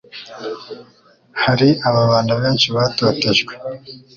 Hari Ababanda benshi batotejwe